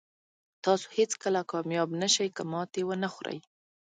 تاسو هېڅکله کامیاب نه شئ که ماتې ونه خورئ.